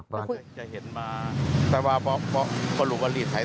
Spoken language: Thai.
ก็จะเห็นมาแต่ว่าพอหลุกวันลีทไทย